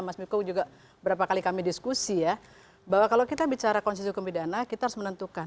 mas miko juga berapa kali kami diskusi ya bahwa kalau kita bicara konstitusi hukum pidana kita harus menentukan